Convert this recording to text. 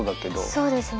そうですね。